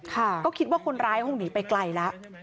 ก็คิดว่าคนร้ายคงหนีไปไกลแล้ว